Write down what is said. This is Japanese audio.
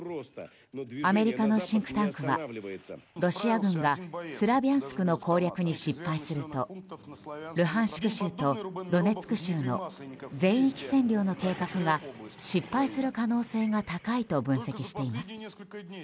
アメリカのシンクタンクはロシア軍がスラビャンスクの攻略に失敗するとルハンシク州とドネツク州の全域占領の計画が失敗する可能性が高いと分析しています。